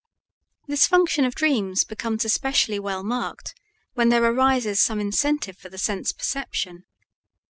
This function of dreams becomes especially well marked when there arises some incentive for the sense perception.